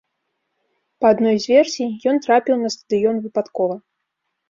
Па адной з версій, ён трапіў на стадыён выпадкова.